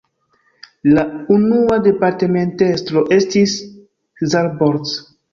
La unua departementestro estis "Szabolcs".